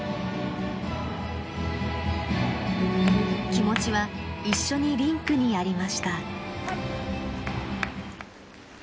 気持ちは一緒にリンクにありました。